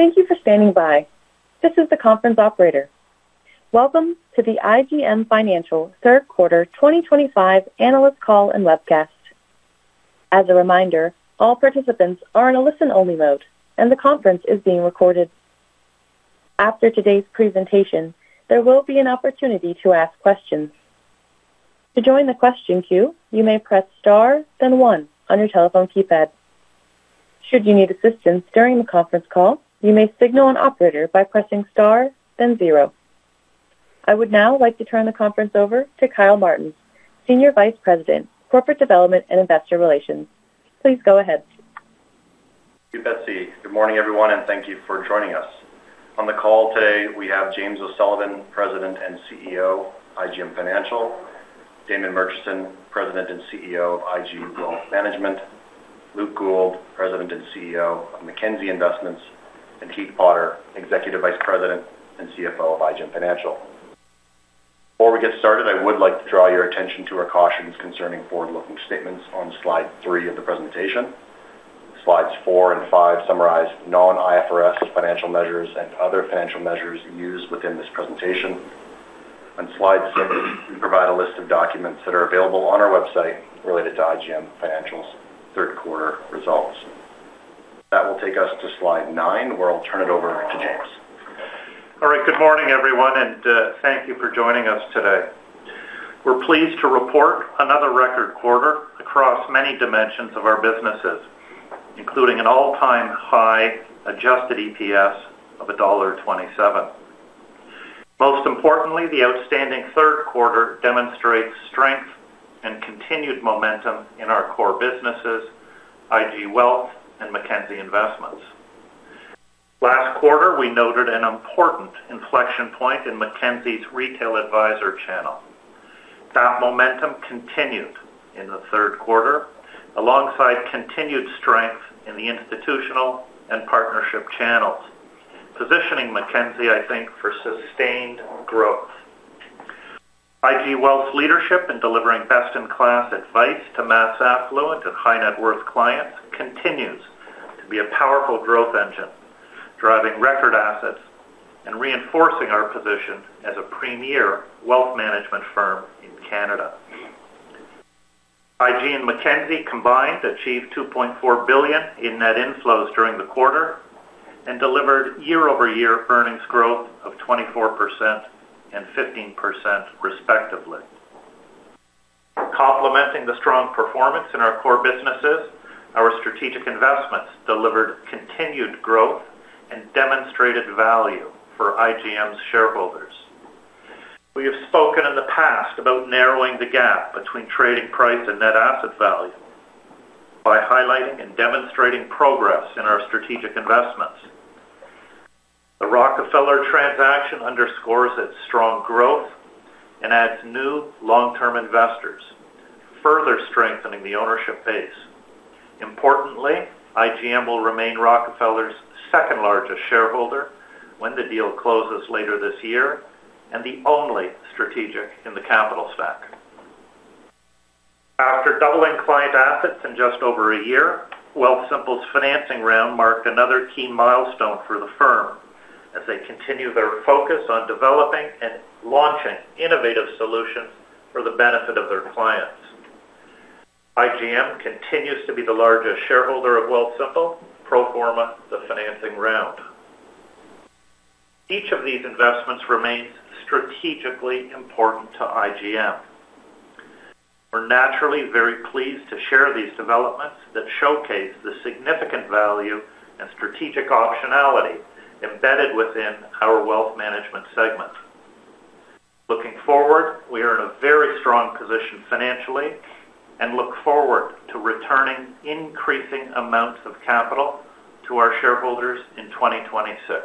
Thank you for standing by. This is the conference operator. Welcome to the IGM Financial Third Quarter 2025 Analyst Call and Webcast. As a reminder, all participants are in a listen-only mode, and the conference is being recorded. After today's presentation, there will be an opportunity to ask questions. To join the question queue, you may press star, then one, on your telephone keypad. Should you need assistance during the conference call, you may signal an operator by pressing star, then zero. I would now like to turn the conference over to Kyle Martens, Senior Vice President, Corporate Development and Investor Relations. Please go ahead. Good morning, everyone, and thank you for joining us. On the call today, we have James O'Sullivan, President and CEO of IGM Financial; Damon Murchison, President and CEO of IG Wealth Management; Luke Gould, President and CEO of Mackenzie Investments; and Keith Potter, Executive Vice President and CFO of IGM Financial. Before we get started, I would like to draw your attention to our cautions concerning forward-looking statements on slide three of the presentation. Slides four and five summarize non-IFRS financial measures and other financial measures used within this presentation. On slide six, we provide a list of documents that are available on our website related to IGM Financial's third quarter results. That will take us to slide nine, where I'll turn it over to James. All right. Good morning, everyone, and thank you for joining us today. We're pleased to report another record quarter across many dimensions of our businesses, including an all-time high adjusted EPS of $1.27. Most importantly, the outstanding third quarter demonstrates strength and continued momentum in our core businesses, IG Wealth and Mackenzie Investments. Last quarter, we noted an important inflection point in Mackenzie's retail advisor channel. That momentum continued in the third quarter alongside continued strength in the institutional and partnership channels, positioning Mackenzie, I think, for sustained growth. IG Wealth's leadership in delivering best-in-class advice to mass affluent and high-net-worth clients continues to be a powerful growth engine, driving record assets and reinforcing our position as a premier wealth management firm in Canada. IG and Mackenzie combined achieved $2.4 billion in net inflows during the quarter and delivered year-over-year earnings growth of 24% and 15%, respectively. Complementing the strong performance in our core businesses, our strategic investments delivered continued growth and demonstrated value for IGM's shareholders. We have spoken in the past about narrowing the gap between trading price and net asset value by highlighting and demonstrating progress in our strategic investments. The Rockefeller transaction underscores its strong growth and adds new long-term investors, further strengthening the ownership base. Importantly, IGM will remain Rockefeller's second-largest shareholder when the deal closes later this year and the only strategic in the capital stack. After doubling client assets in just over a year, Wealthsimple's financing round marked another key milestone for the firm as they continue their focus on developing and launching innovative solutions for the benefit of their clients. IGM continues to be the largest shareholder of Wealthsimple pro forma the financing round. Each of these investments remains strategically important to IGM. We're naturally very pleased to share these developments that showcase the significant value and strategic optionality embedded within our wealth management segment. Looking forward, we are in a very strong position financially and look forward to returning increasing amounts of capital to our shareholders in 2026.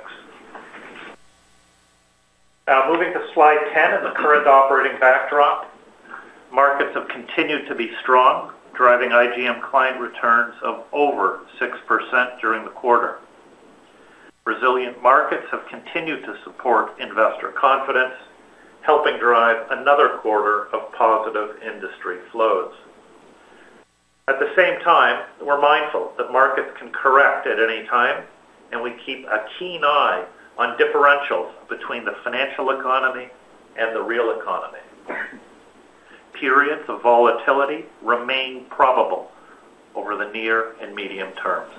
Now, moving to slide 10 in the current operating backdrop, markets have continued to be strong, driving IGM client returns of over 6% during the quarter. Resilient markets have continued to support investor confidence, helping drive another quarter of positive industry flows. At the same time, we're mindful that markets can correct at any time, and we keep a keen eye on differentials between the financial economy and the real economy. Periods of volatility remain probable over the near and medium terms.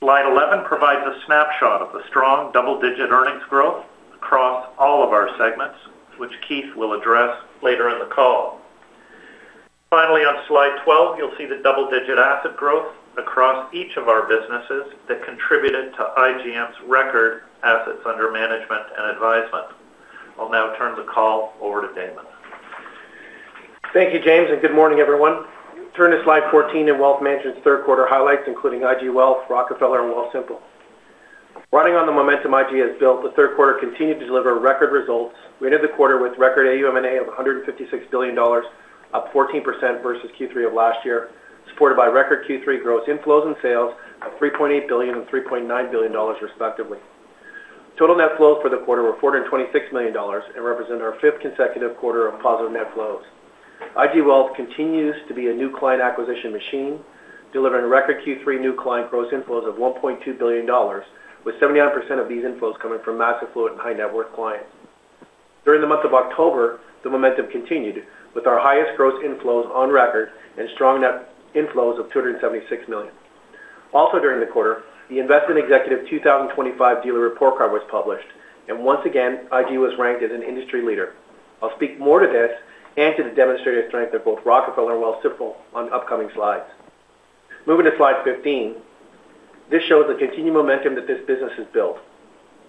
Slide 11 provides a snapshot of the strong double-digit earnings growth across all of our segments, which Keith will address later in the call. Finally, on slide 12, you'll see the double-digit asset growth across each of our businesses that contributed to IGM's record assets under management and advisement. I'll now turn the call over to Damon. Thank you, James, and good morning, everyone. Turning to slide 14 in Wealth Management's third quarter highlights, including IG Wealth, Rockefeller, and Wealthsimple. Running on the momentum IG has built, the third quarter continued to deliver record results. We ended the quarter with record AUM and AUA of $156 billion, up 14% versus Q3 of last year, supported by record Q3 gross inflows and sales of $3.8 billion and $3.9 billion, respectively. Total net flows for the quarter were $426 million and represent our fifth consecutive quarter of positive net flows. IG Wealth continues to be a new client acquisition machine, delivering record Q3 new client gross inflows of $1.2 billion, with 79% of these inflows coming from mass affluent and high-net-worth clients. During the month of October, the momentum continued with our highest gross inflows on record and strong net inflows of $276 million. Also, during the quarter, the Investment Executive 2025 Dealer Report Card was published, and once again, IG was ranked as an industry leader. I'll speak more to this and to the demonstrated strength of both Rockefeller and Wealthsimple on upcoming slides. Moving to slide 15, this shows the continued momentum that this business has built.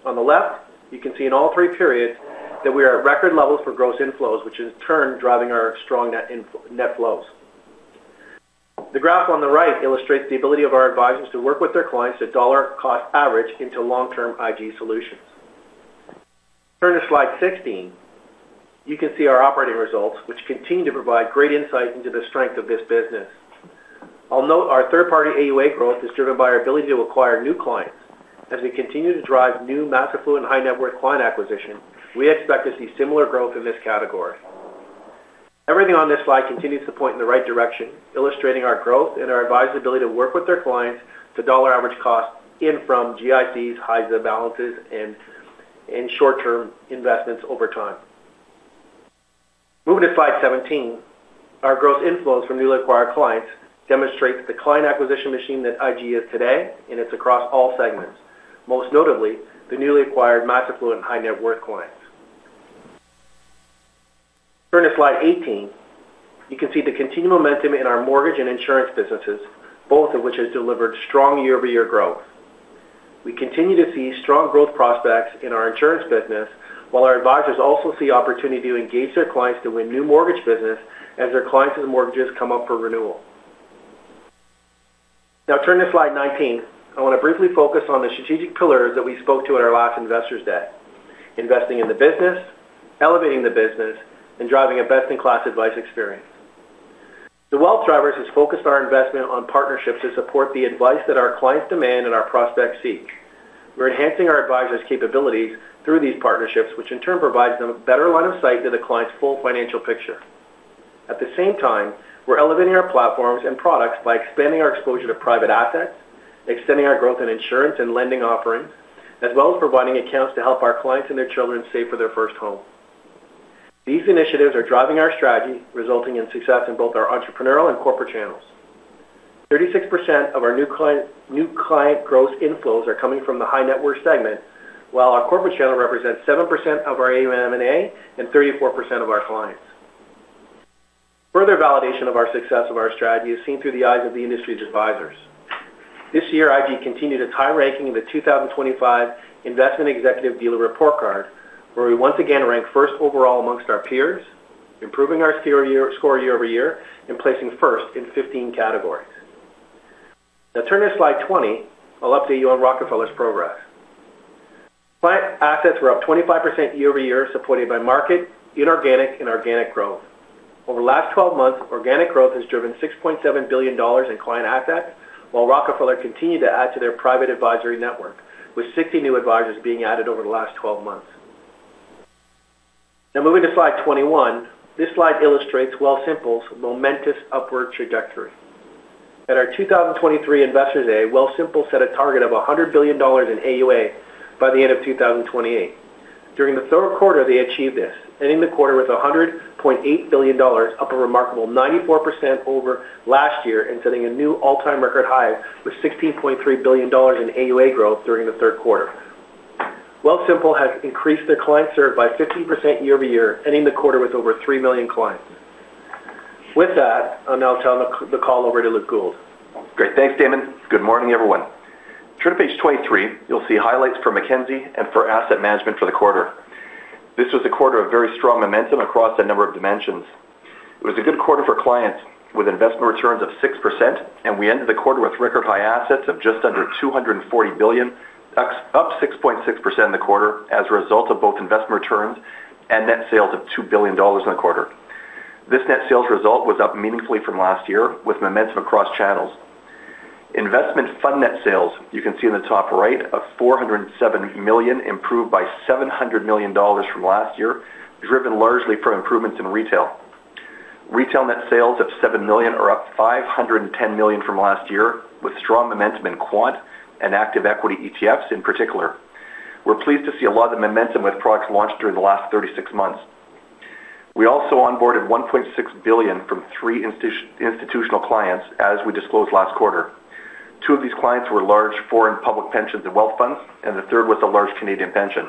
On the left, you can see in all three periods that we are at record levels for gross inflows, which in turn is driving our strong net flows. The graph on the right illustrates the ability of our advisors to work with their clients to dollar-cost average into long-term IG solutions. Turning to slide 16, you can see our operating results, which continue to provide great insight into the strength of this business. I'll note our third-party AUA growth is driven by our ability to acquire new clients. As we continue to drive new mass affluent and high-net-worth client acquisition, we expect to see similar growth in this category. Everything on this slide continues to point in the right direction, illustrating our growth and our advisors' ability to work with their clients to dollar-average cost in from GICs, high cash balances, and short-term investments over time. Moving to slide 17, our gross inflows from newly acquired clients demonstrate the client acquisition machine that IG is today, and it's across all segments, most notably the newly acquired mass affluent and high-net-worth clients. Turning to slide 18, you can see the continued momentum in our mortgage and insurance businesses, both of which have delivered strong year-over-year growth. We continue to see strong growth prospects in our insurance business, while our advisors also see opportunity to engage their clients to win new mortgage business as their clients' mortgages come up for renewal. Now, turning to slide 19, I want to briefly focus on the strategic pillars that we spoke to at our last Investors' Day: investing in the business, elevating the business, and driving a best-in-class advice experience. The Wealth Drivers has focused our investment on partnerships to support the advice that our clients demand and our prospects seek. We're enhancing our advisors' capabilities through these partnerships, which in turn provides them a better line of sight to the client's full financial picture. At the same time, we're elevating our platforms and products by expanding our exposure to private assets, extending our growth in insurance and lending offerings, as well as providing accounts to help our clients and their children save for their first home. These initiatives are driving our strategy, resulting in success in both our entrepreneurial and corporate channels. 36% of our new client gross inflows are coming from the high-net-worth segment, while our corporate channel represents 7% of our AUM and 34% of our clients. Further validation of the success of our strategy is seen through the eyes of the industry's advisors. This year, IG continued its high ranking in the 2025 Investment Executive Dealer Report Card, where we once again ranked first overall amongst our peers, improving our score year-over-year and placing first in 15 categories. Now, turning to slide 20, I'll update you on Rockefeller's progress. Client assets were up 25% year-over-year, supported by market, inorganic, and organic growth. Over the last 12 months, organic growth has driven $6.7 billion in client assets, while Rockefeller continued to add to their private advisory network, with 60 new advisors being added over the last 12 months. Now, moving to slide 21, this slide illustrates Wealthsimple's momentous upward trajectory. At our 2023 Investors' Day, Wealthsimple set a target of $100 billion in AUA by the end of 2028. During the third quarter, they achieved this, ending the quarter with $100.8 billion, up a remarkable 94% over last year, and setting a new all-time record high with $16.3 billion in AUA growth during the third quarter. Wealthsimple has increased their client service by 15% year-over-year, ending the quarter with over 3 million clients. With that, I'll now turn the call over to Luke Gould. Great. Thanks, Damon. Good morning, everyone. Turn to page 23, you'll see highlights for Mackenzie and for asset management for the quarter. This was a quarter of very strong momentum across a number of dimensions. It was a good quarter for clients with investment returns of 6%, and we ended the quarter with record high assets of just under $240 billion, up 6.6% in the quarter as a result of both investment returns and net sales of $2 billion in the quarter. This net sales result was up meaningfully from last year, with momentum across channels. Investment fund net sales, you can see in the top right, of $407 million, improved by $700 million from last year, driven largely from improvements in retail. Retail net sales of $7 million are up $510 million from last year, with strong momentum in quant and active equity ETFs in particular. We're pleased to see a lot of momentum with products launched during the last 36 months. We also onboarded $1.6 billion from three institutional clients as we disclosed last quarter. Two of these clients were large foreign public pensions and wealth funds, and the third was a large Canadian pension.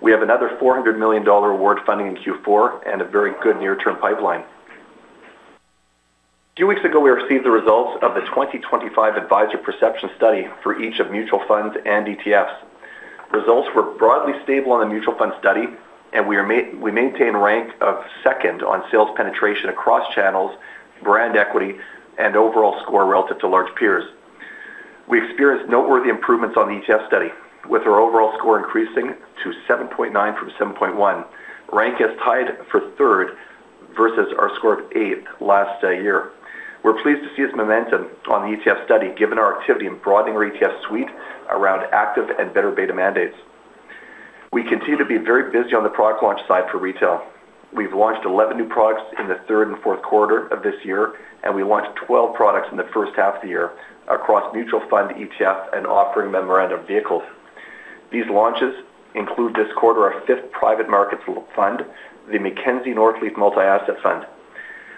We have another $400 million award funding in Q4 and a very good near-term pipeline. A few weeks ago, we received the results of the 2025 advisor perception study for each of mutual funds and ETFs. Results were broadly stable on the mutual fund study, and we maintain a rank of second on sales penetration across channels, brand equity, and overall score relative to large peers. We experienced noteworthy improvements on the ETF study, with our overall score increasing to 7.9 from 7.1. Rank has tied for third versus our score of eighth last year. We're pleased to see this momentum on the ETF study, given our activity in broadening our ETF suite around active and better-beta mandates. We continue to be very busy on the product launch side for retail. We've launched 11 new products in the third and fourth quarter of this year, and we launched 12 products in the first half of the year across mutual fund, ETF, and offering memorandum vehicles. These launches include this quarter our fifth private markets fund, the Mackenzie Northleaf Multi-Asset Fund.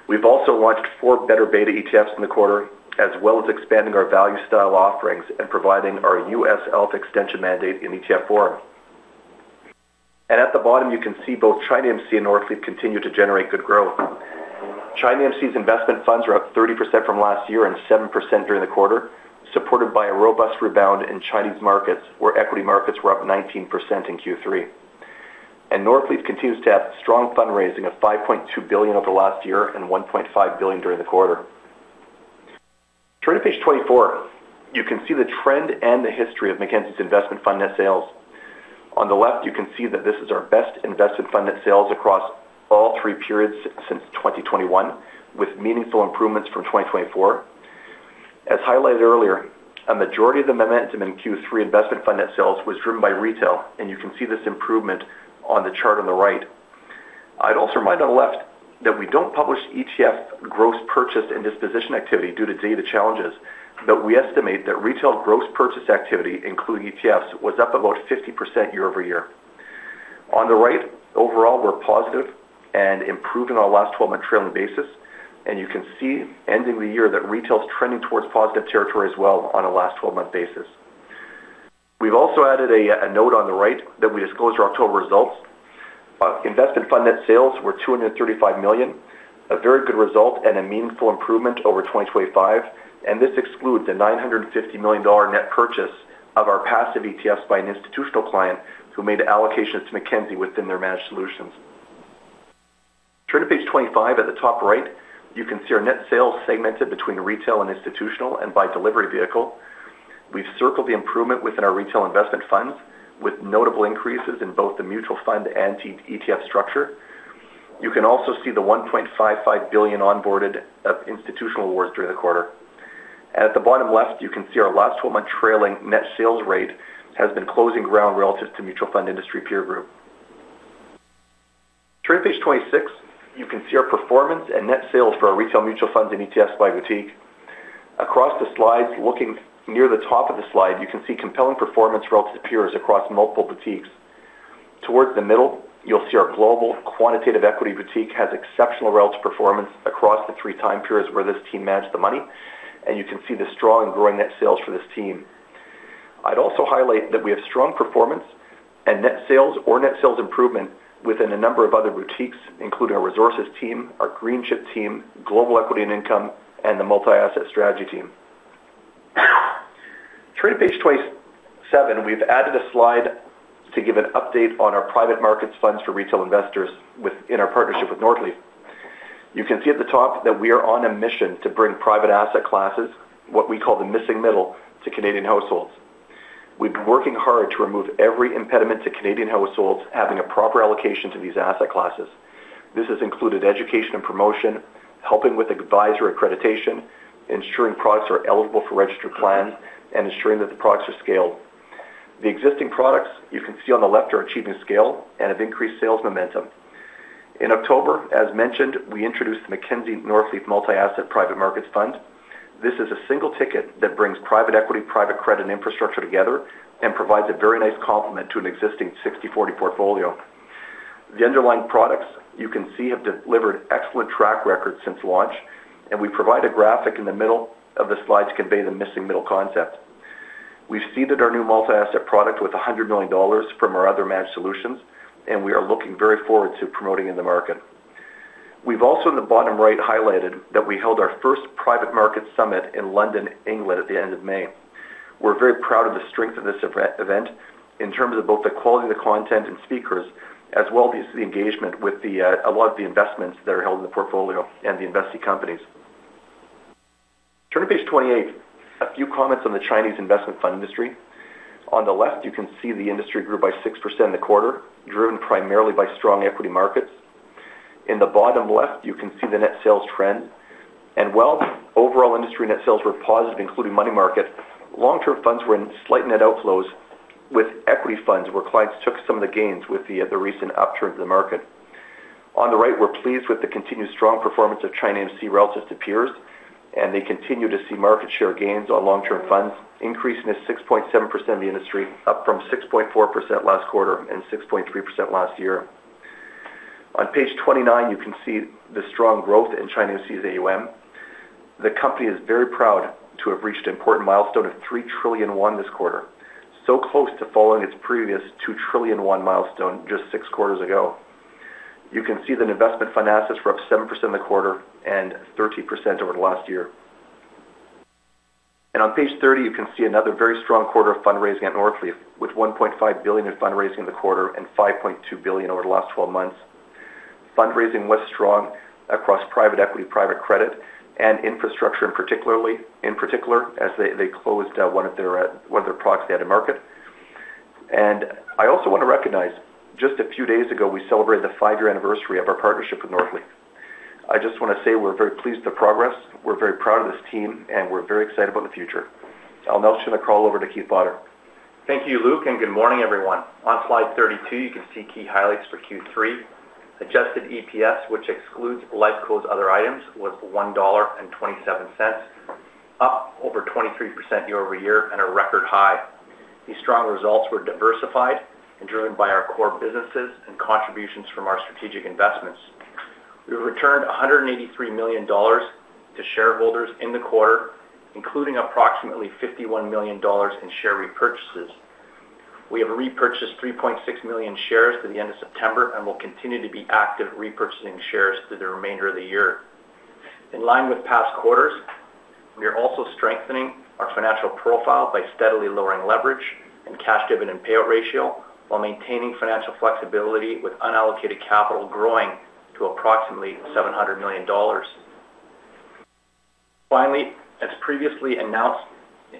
We've also launched four better-beta ETFs in the quarter, as well as expanding our value style offerings and providing our US Health Extension mandate in ETF form. At the bottom, you can see both ChinaAMC and Northleaf continue to generate good growth. ChinaAMC's investment funds are up 30% from last year and 7% during the quarter, supported by a robust rebound in Chinese markets, where equity markets were up 19% in Q3. Northleaf continues to have strong fundraising of $5.2 billion over the last year and $1.5 billion during the quarter. Turning to page 24, you can see the trend and the history of Mackenzie's investment fund net sales. On the left, you can see that this is our best investment fund net sales across all three periods since 2021, with meaningful improvements from 2024. As highlighted earlier, a majority of the momentum in Q3 investment fund net sales was driven by retail, and you can see this improvement on the chart on the right. I'd also remind on the left that we don't publish ETF gross purchase and disposition activity due to data challenges, but we estimate that retail gross purchase activity, including ETFs, was up about 50% year-over-year. On the right, overall, we're positive and improving on a last 12-month trailing basis, and you can see, ending the year, that retail's trending towards positive territory as well on a last 12-month basis. We've also added a note on the right that we disclosed our October results. Investment fund net sales were $235 million, a very good result and a meaningful improvement over 2024, and this excludes a $950 million net purchase of our passive ETFs by an institutional client who made allocations to Mackenzie within their managed solutions. Turning to page 25, at the top right, you can see our net sales segmented between retail and institutional and by delivery vehicle. We've circled the improvement within our retail investment funds, with notable increases in both the mutual fund and ETF structure. You can also see the $1.55 billion onboarded of institutional awards during the quarter. At the bottom left, you can see our last 12-month trailing net sales rate has been closing ground relative to mutual fund industry peer group. Turning to page 26, you can see our performance and net sales for our retail mutual funds and ETFs by boutique. Across the slides, looking near the top of the slide, you can see compelling performance relative to peers across multiple boutiques. Towards the middle, you'll see our global quantitative equity boutique has exceptional relative performance across the three time periods where this team managed the money, and you can see the strong and growing net sales for this team. I'd also highlight that we have strong performance and net sales or net sales improvement within a number of other boutiques, including our resources team, our Greenchip team, global equity and income, and the multi-asset strategy team. Turning to page 27, we've added a slide to give an update on our private markets funds for retail investors in our partnership with Northleaf. You can see at the top that we are on a mission to bring private asset classes, what we call the missing middle, to Canadian households. We've been working hard to remove every impediment to Canadian households having a proper allocation to these asset classes. This has included education and promotion, helping with advisor accreditation, ensuring products are eligible for registered plans, and ensuring that the products are scaled. The existing products you can see on the left are achieving scale and have increased sales momentum. In October, as mentioned, we introduced the Mackenzie Northleaf Multi-Asset Private Markets Fund. This is a single ticket that brings private equity, private credit, and infrastructure together and provides a very nice complement to an existing 60/40 portfolio. The underlying products you can see have delivered excellent track records since launch, and we provide a graphic in the middle of the slide to convey the missing middle concept. We've seeded our new multi-asset product with $100 million from our other managed solutions, and we are looking very forward to promoting it in the market. We've also, in the bottom right, highlighted that we held our first private market summit in London, England, at the end of May. We're very proud of the strength of this event in terms of both the quality of the content and speakers, as well as the engagement with a lot of the investments that are held in the portfolio and the investee companies. Turning to page 28, a few comments on the Chinese investment fund industry. On the left, you can see the industry grew by 6% in the quarter, driven primarily by strong equity markets. In the bottom left, you can see the net sales trend. While overall industry net sales were positive, including money market, long-term funds were in slight net outflows, with equity funds where clients took some of the gains with the recent upturn to the market. On the right, we're pleased with the continued strong performance of ChinaAMC relative to peers, and they continue to see market share gains on long-term funds, increasing to 6.7% of the industry, up from 6.4% last quarter and 6.3% last year. On page 29, you can see the strong growth in ChinaAMC's AUM. The company is very proud to have reached an important milestone of 3 trillion this quarter, so close to following its previous 2 trillion milestone just six quarters ago. You can see that investment fund assets were up 7% in the quarter and 30% over the last year. On page 30, you can see another very strong quarter of fundraising at Northleaf, with $1.5 billion in fundraising in the quarter and $5.2 billion over the last 12 months. Fundraising was strong across private equity, private credit, and infrastructure in particular, as they closed one of their products they had in market. I also want to recognize, just a few days ago, we celebrated the five-year anniversary of our partnership with Northleaf. I just want to say we're very pleased with the progress. We're very proud of this team, and we're very excited about the future. I'll now turn the call over to Keith Potter. Thank you, Luke, and good morning, everyone. On slide 32, you can see key highlights for Q3. Adjusted EPS, which excludes lifecos other items, was $1.27, up over 23% year-over-year and a record high. These strong results were diversified and driven by our core businesses and contributions from our strategic investments. We returned $183 million to shareholders in the quarter, including approximately $51 million in share repurchases. We have repurchased 3.6 million shares to the end of September and will continue to be active repurchasing shares through the remainder of the year. In line with past quarters, we are also strengthening our financial profile by steadily lowering leverage and cash dividend payout ratio while maintaining financial flexibility with unallocated capital growing to approximately $700 million. Finally, as previously announced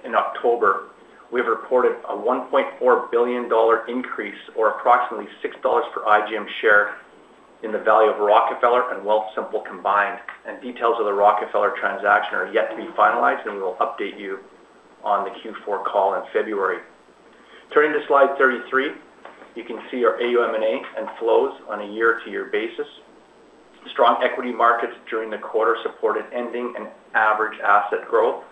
in October, we have reported a $1.4 billion increase or approximately $6 per IGM share in the value of Rockefeller and Wealthsimple combined. Details of the Rockefeller transaction are yet to be finalized, and we will update you on the Q4 call in February. Turning to slide 33, you can see our AUM and A and flows on a year-to-year basis. Strong equity markets during the quarter supported ending and average asset growth,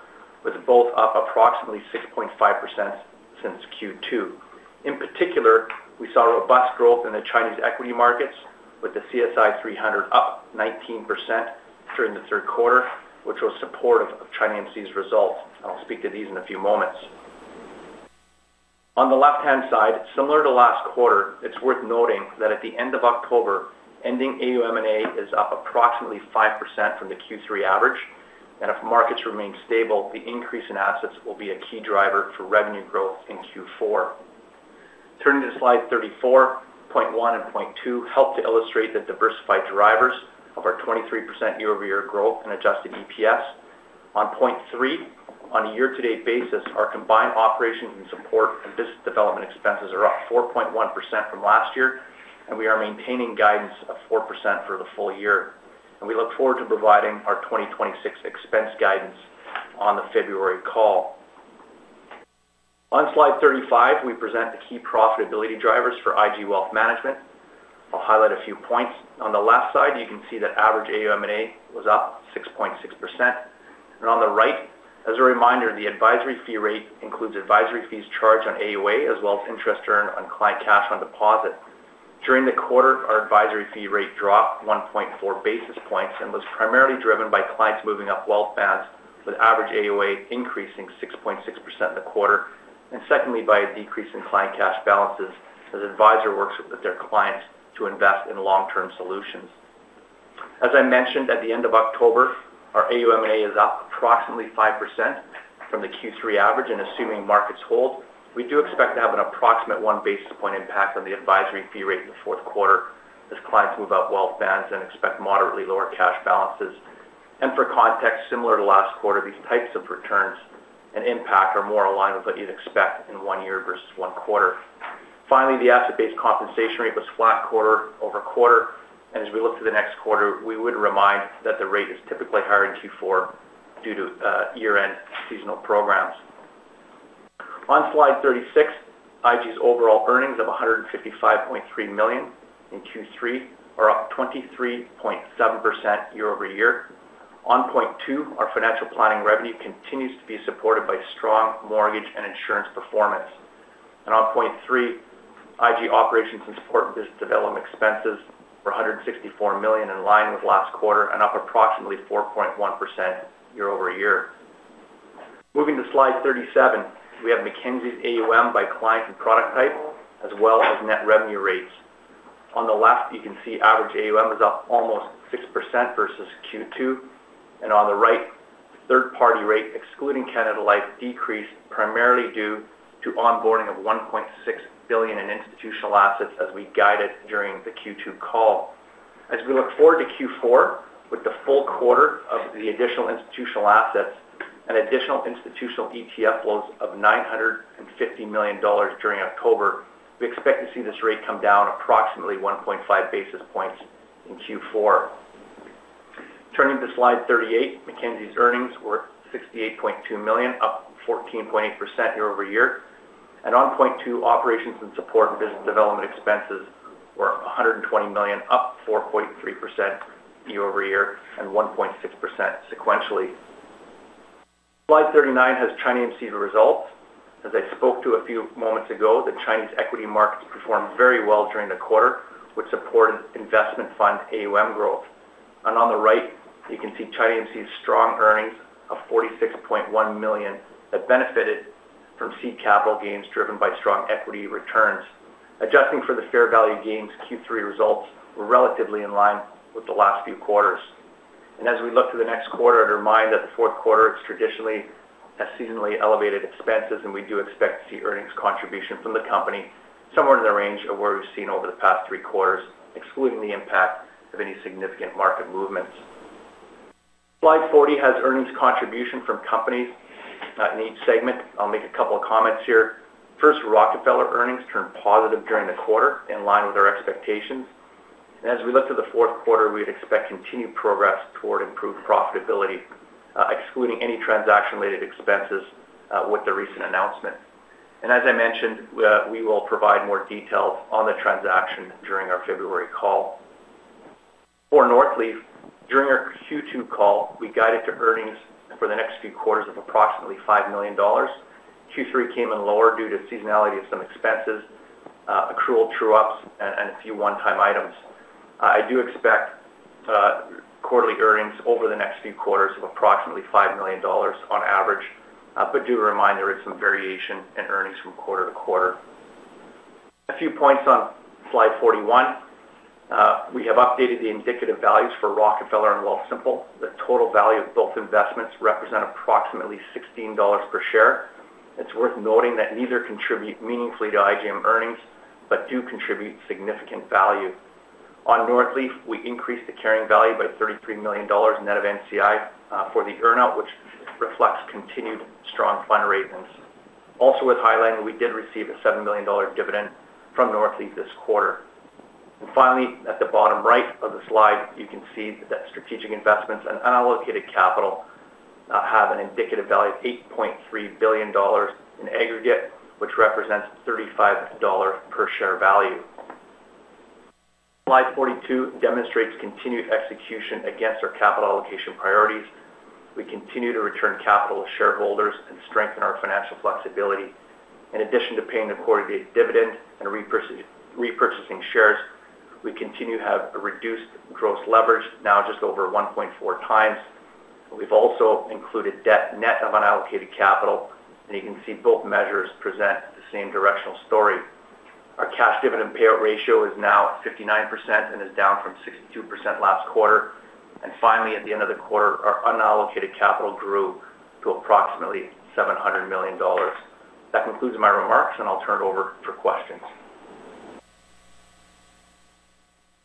with both up approximately 6.5% since Q2. In particular, we saw robust growth in the Chinese equity markets, with the CSI 300 up 19% during the third quarter, which was supportive of ChinaAMC's results. I'll speak to these in a few moments. On the left-hand side, similar to last quarter, it's worth noting that at the end of October, ending AUM and A is up approximately 5% from the Q3 average, and if markets remain stable, the increase in assets will be a key driver for revenue growth in Q4. Turning to slide 34, point one and point two help to illustrate the diversified drivers of our 23% year-over-year growth and adjusted EPS. On point three, on a year-to-date basis, our combined operations and support and business development expenses are up 4.1% from last year, and we are maintaining guidance of 4% for the full year. We look forward to providing our 2026 expense guidance on the February call. On slide 35, we present the key profitability drivers for IG Wealth Management. I'll highlight a few points. On the left side, you can see that average AUM and AUA was up 6.6%. On the right, as a reminder, the advisory fee rate includes advisory fees charged on AUA as well as interest earned on client cash on deposit. During the quarter, our advisory fee rate dropped 1.4 basis points and was primarily driven by clients moving up wealth bands, with average AUA increasing 6.6% in the quarter, and secondly by a decrease in client cash balances as advisors work with their clients to invest in long-term solutions. As I mentioned, at the end of October, our AUM and AUA is up approximately 5% from the Q3 average, and assuming markets hold, we do expect to have an approximate one basis point impact on the advisory fee rate in the fourth quarter as clients move up wealth bands and expect moderately lower cash balances. For context, similar to last quarter, these types of returns and impact are more aligned with what you would expect in one year versus one quarter. Finally, the asset-based compensation rate was flat quarter over quarter, and as we look to the next quarter, we would remind that the rate is typically higher in Q4 due to year-end seasonal programs. On slide 36, IG's overall earnings of $155.3 million in Q3 are up 23.7% year-over-year. On point two, our financial planning revenue continues to be supported by strong mortgage and insurance performance. On point three, IG operations and support business development expenses were $164 million, in line with last quarter, and up approximately 4.1% year-over-year. Moving to slide 37, we have Mackenzie's AUM by client and product type, as well as net revenue rates. On the left, you can see average AUM is up almost 6% versus Q2, and on the right, third-party rate, excluding Canada Life, decreased primarily due to onboarding of $1.6 billion in institutional assets as we guided during the Q2 call. As we look forward to Q4, with the full quarter of the additional institutional assets and additional institutional ETF flows of $950 million during October, we expect to see this rate come down approximately 1.5 basis points in Q4. Turning to slide 38, Mackenzie's earnings were $68.2 million, up 14.8% year-over-year. On point two, operations and support and business development expenses were $120 million, up 4.3% year-over-year and 1.6% sequentially. Slide 39 has ChinaAMC's results. As I spoke to a few moments ago, the Chinese equity markets performed very well during the quarter, which supported investment fund AUM growth. On the right, you can see ChinaAMC's strong earnings of $46.1 million that benefited from seed capital gains driven by strong equity returns. Adjusting for the fair value gains, Q3 results were relatively in line with the last few quarters. As we look to the next quarter, I'd remind that the fourth quarter has traditionally had seasonally elevated expenses, and we do expect to see earnings contribution from the company somewhere in the range of where we've seen over the past three quarters, excluding the impact of any significant market movements. Slide 40 has earnings contribution from companies in each segment. I'll make a couple of comments here. First, Rockefeller earnings turned positive during the quarter, in line with our expectations. As we look to the fourth quarter, we would expect continued progress toward improved profitability, excluding any transaction-related expenses with the recent announcement. As I mentioned, we will provide more details on the transaction during our February call. For Northleaf, during our Q2 call, we guided to earnings for the next few quarters of approximately $5 million. Q3 came in lower due to seasonality of some expenses, accrual true-ups, and a few one-time items. I do expect quarterly earnings over the next few quarters of approximately $5 million on average, but do remind there is some variation in earnings from quarter to quarter. A few points on slide 41. We have updated the indicative values for Rockefeller and Wealthsimple. The total value of both investments represent approximately $16 per share. It is worth noting that neither contribute meaningfully to IGM earnings, but do contribute significant value. On Northleaf, we increased the carrying value by $33 million net of NCI for the earnout, which reflects continued strong fund raisings. Also, with highlighting, we did receive a $7 million dividend from Northleaf this quarter. Finally, at the bottom right of the slide, you can see that strategic investments and unallocated capital have an indicative value of $8.3 billion in aggregate, which represents $35 per share value. Slide 42 demonstrates continued execution against our capital allocation priorities. We continue to return capital to shareholders and strengthen our financial flexibility. In addition to paying the quarterly dividend and repurchasing shares, we continue to have a reduced gross leverage, now just over 1.4 times. We have also included debt net of unallocated capital, and you can see both measures present the same directional story. Our cash dividend payout ratio is now 59% and is down from 62% last quarter. Finally, at the end of the quarter, our unallocated capital grew to approximately $700 million. That concludes my remarks, and I'll turn it over for questions.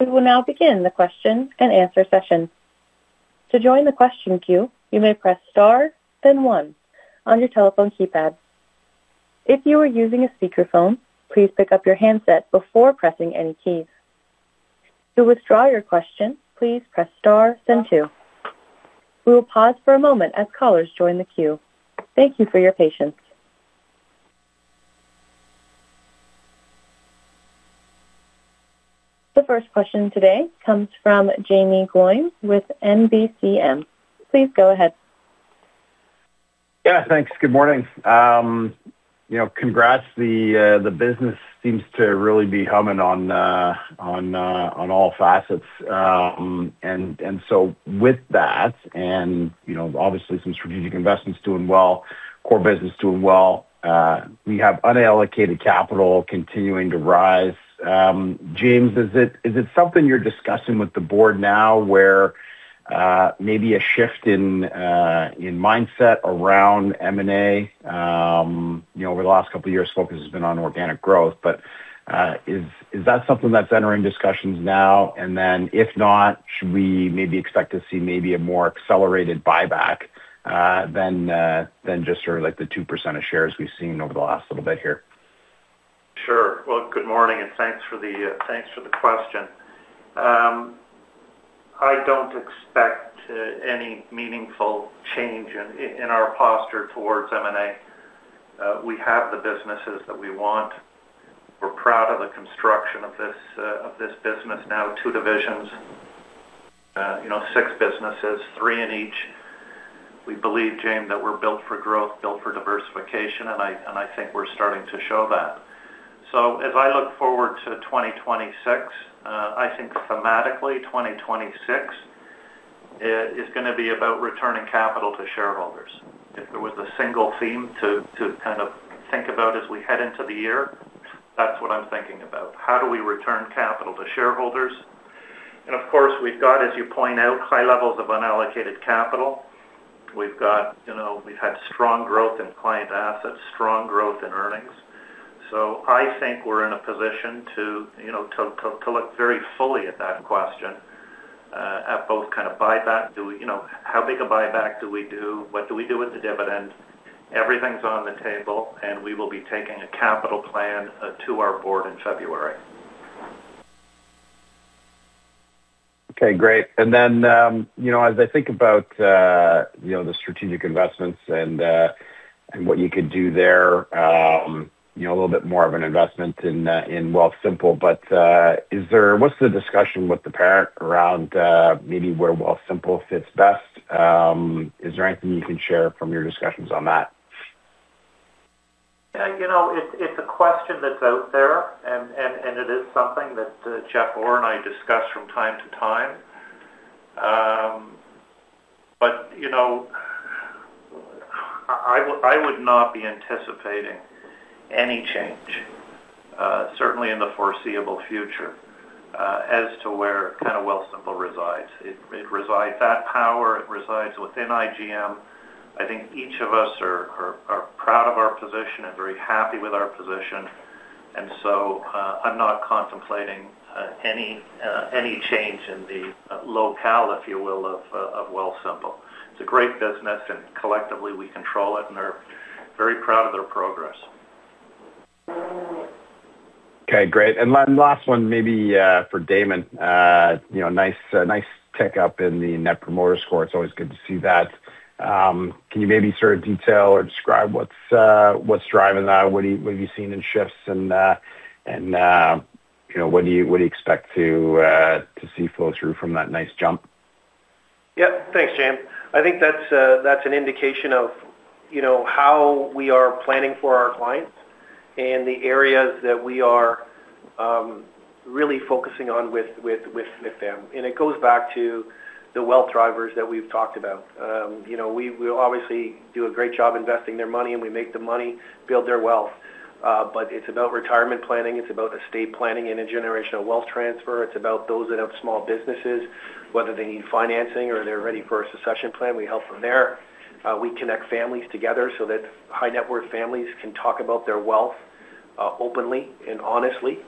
We will now begin the question and answer session. To join the question queue, you may press star, then one, on your telephone keypad. If you are using a speakerphone, please pick up your handset before pressing any keys. To withdraw your question, please press star, then two. We will pause for a moment as callers join the queue. Thank you for your patience. The first question today comes from Jamie Gould with NBCM. Please go ahead. Yeah, thanks. Good morning. Congrats, the business seems to really be humming on all facets. With that, and obviously some strategic investments doing well, core business doing well, we have unallocated capital continuing to rise. James, is it something you are discussing with the board now, where maybe a shift in mindset around M&A? Over the last couple of years, focus has been on organic growth, but is that something that is entering discussions now? If not, should we maybe expect to see maybe a more accelerated buyback than just sort of like the 2% of shares we have seen over the last little bit here? Sure. Good morning, and thanks for the question. I do not expect any meaningful change in our posture towards M&A. We have the businesses that we want. We are proud of the construction of this business now, two divisions, six businesses, three in each. We believe, James, that we are built for growth, built for diversification, and I think we are starting to show that. As I look forward to 2026, I think thematically 2026 is going to be about returning capital to shareholders. If there was a single theme to kind of think about as we head into the year, that is what I am thinking about. How do we return capital to shareholders? Of course, we have, as you point out, high levels of unallocated capital. We have had strong growth in client assets, strong growth in earnings. I think we're in a position to look very fully at that question, at both kind of buyback, how big a buyback do we do, what do we do with the dividend. Everything's on the table, and we will be taking a capital plan to our board in February. Okay, great. As I think about the strategic investments and what you could do there, a little bit more of an investment in Wealthsimple, but what is the discussion with the parent around maybe where Wealthsimple fits best? Is there anything you can share from your discussions on that? Yeah, it's a question that's out there, and it is something that Jeff Ohr and I discuss from time to time. I would not be anticipating any change, certainly in the foreseeable future, as to where kind of Wealthsimple resides. It resides at Power, it resides within IGM. I think each of us are proud of our position and very happy with our position. I am not contemplating any change in the locale, if you will, of Wealthsimple. It's a great business, and collectively we control it, and we're very proud of their progress. Okay, great. Last one, maybe for Damon. Nice pickup in the Net Promoter Score. It's always good to see that. Can you maybe sort of detail or describe what's driving that? What have you seen in shifts, and what do you expect to see flow through from that nice jump? Yep, thanks, James. I think that is an indication of how we are planning for our clients and the areas that we are really focusing on with them. It goes back to the wealth drivers that we have talked about. We obviously do a great job investing their money, and we make the money build their wealth. It is about retirement planning, it is about estate planning and a generational wealth transfer. It is about those that have small businesses, whether they need financing or they are ready for a succession plan, we help them there. We connect families together so that high-net-worth families can talk about their wealth openly and honestly.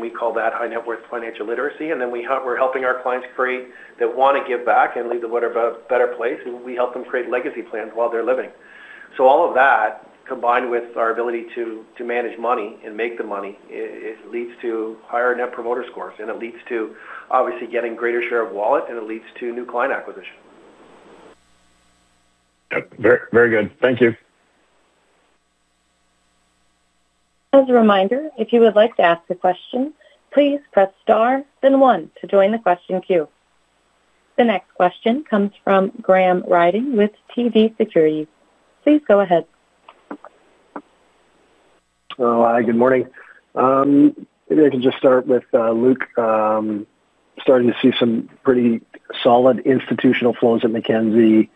We call that high-net-worth financial literacy. We are helping our clients create that want to give back and leave the world a better place. We help them create legacy plans while they are living. All of that, combined with our ability to manage money and make the money, it leads to higher Net Promoter Scores, and it leads to obviously getting a greater share of wallet, and it leads to new client acquisition. Very good. Thank you. As a reminder, if you would like to ask a question, please press star, then one, to join the question queue. The next question comes from Graham Ryding with TD Securities. Please go ahead. Hi, good morning. Maybe I can just start with Luke. Starting to see some pretty solid institutional flows at Mackenzie,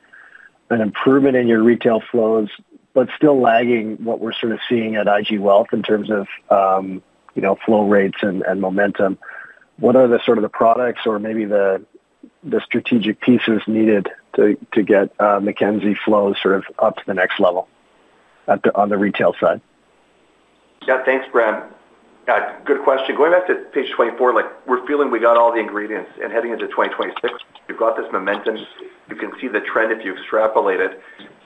an improvement in your retail flows, but still lagging what we're sort of seeing at IG Wealth in terms of flow rates and momentum. What are the sort of the products or maybe the strategic pieces needed to get Mackenzie flows sort of up to the next level on the retail side? Yeah, thanks, Graham. Good question. Going back to page 24, we're feeling we got all the ingredients. Heading into 2026, we've got this momentum. You can see the trend if you extrapolate it.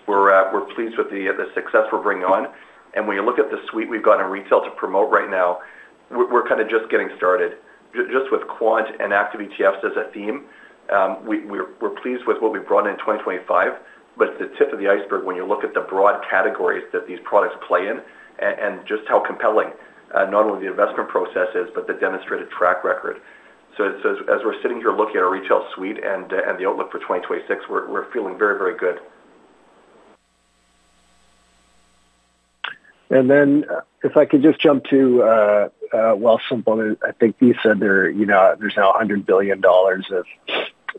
We're pleased with the success we're bringing on. When you look at the suite we've got in retail to promote right now, we're kind of just getting started. Just with quant and active ETFs as a theme, we're pleased with what we brought in 2025. It is the tip of the iceberg when you look at the broad categories that these products play in and just how compelling not only the investment process is, but the demonstrated track record. As we're sitting here looking at our retail suite and the outlook for 2026, we're feeling very, very good. If I could just jump to Wealthsimple, I think you said there is now $100 billion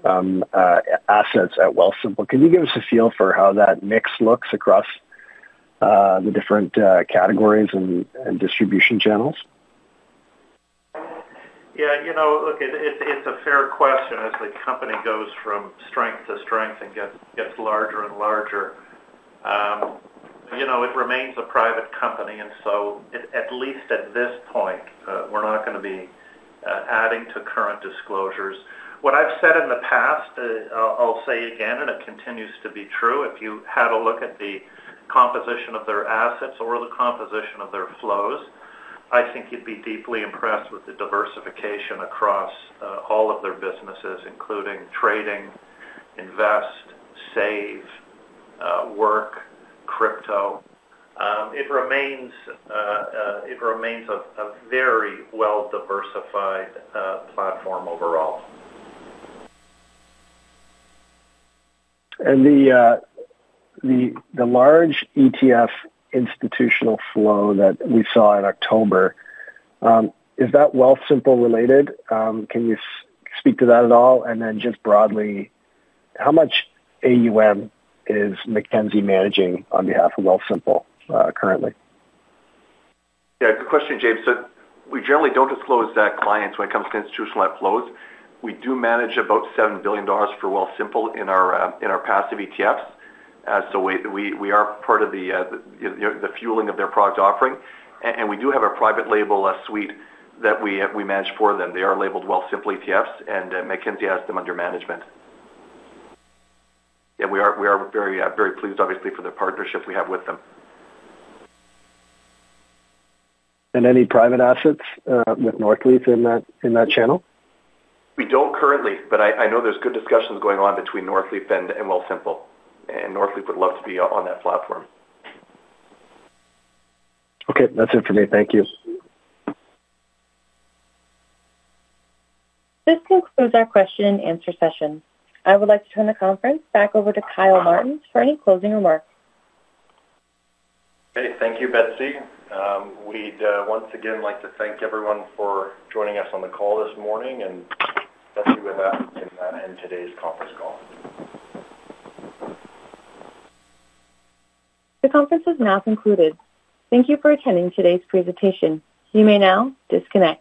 of assets at Wealthsimple. Can you give us a feel for how that mix looks across the different categories and distribution channels? Yeah, look, it's a fair question as the company goes from strength to strength and gets larger and larger. It remains a private company, and so at least at this point, we're not going to be adding to current disclosures. What I've said in the past, I'll say again, and it continues to be true. If you had a look at the composition of their assets or the composition of their flows, I think you'd be deeply impressed with the diversification across all of their businesses, including trading, invest, save, work, crypto. It remains a very well-diversified platform overall. The large ETF institutional flow that we saw in October, is that Wealthsimple related? Can you speak to that at all? And then just broadly, how much AUM is Mackenzie managing on behalf of Wealthsimple currently? Yeah, good question, James. We generally do not disclose that clients when it comes to institutional net flows. We do manage about $7 billion for Wealthsimple in our passive ETFs. We are part of the fueling of their product offering. We do have a private label suite that we manage for them. They are labeled Wealthsimple ETFs, and Mackenzie has them under management. We are very pleased, obviously, for the partnership we have with them. Any private assets with Northleaf in that channel? We don't currently, but I know there's good discussions going on between Northleaf and Wealthsimple. Northleaf would love to be on that platform. Okay, that's it for me. Thank you. This concludes our question and answer session. I would like to turn the conference back over to Kyle Martens for any closing remarks. Okay, thank you, Betsy. We'd once again like to thank everyone for joining us on the call this morning, and that's it with that in today's conference call. The conference has now concluded. Thank you for attending today's presentation. You may now disconnect.